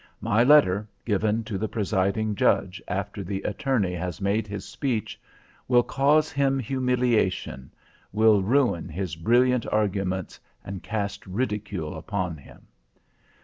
My letter, given to the Presiding Judge after the Attorney has made his speech, will cause him humiliation, will ruin his brilliant arguments and cast ridicule upon him.